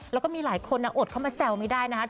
แล้วก็มีหลายคนอดเข้ามาแซวไม่ได้นะครับ